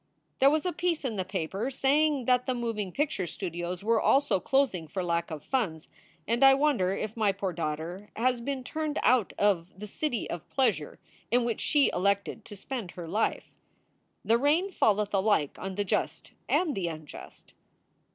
There was a piece in the paper saying that the moving picture studios were also closing for lack of funds, and I wonder if my poor daughter has been turned out of the City of Pleasure in which she elected to spend her life. The rain falleth alike on the just and the unjust.